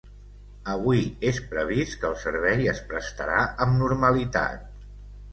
Avui és previst que el servei es prestarà amb normalitat.